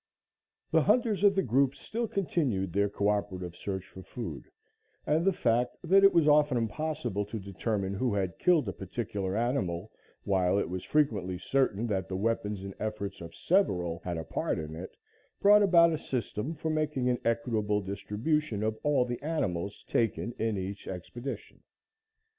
The hunters of the group still continued their coöperative search for food, and the fact that it was often impossible to determine who had killed a particular animal, while it was frequently certain that the weapons and efforts of several had a part in it, brought about a system for making an equitable distribution of all the animals taken in each expedition.